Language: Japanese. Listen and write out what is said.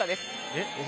えっ？